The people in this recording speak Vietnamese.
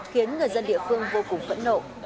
khiến người dân địa phương vô cùng phẫn nộ